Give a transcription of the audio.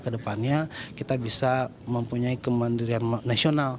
ke depannya kita bisa mempunyai kemendirian nasional